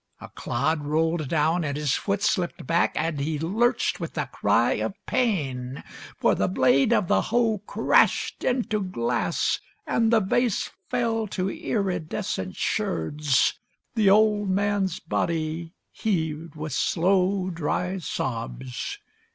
A clod rolled down, and his foot slipped back, And he lurched with a cry of pain. For the blade of the hoe crashed into glass, And the vase fell to iridescent sherds. The old man's body heaved with slow, dry sobs.